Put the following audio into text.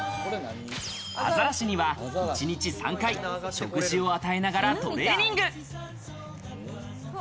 アザラシには１日３回、食事を与えながらトレーニング。